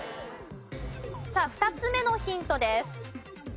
さあ２つ目のヒントです。